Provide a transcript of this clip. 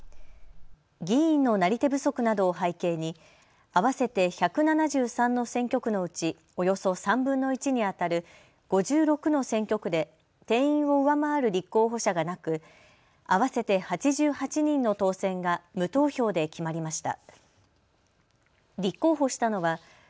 議員のなり手不足などを背景に合わせて１７３の選挙区のうちおよそ３分の１にあたる５６の選挙区で定員を上回る立候補者がなく合わせて８８人の当選が無投票で決まりました。